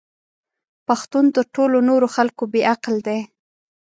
پښتون تر ټولو نورو خلکو بې عقل دی!